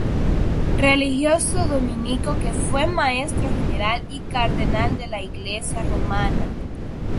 Religioso dominico que fue Maestro general y Cardenal de la Iglesia Romana.